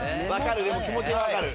気持ちは分かる。